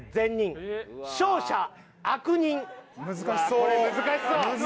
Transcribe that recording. ・これ難しそう！